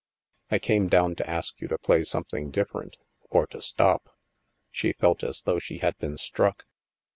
I came down to ask you to play something different, or to stop." She felt as though she had been struck.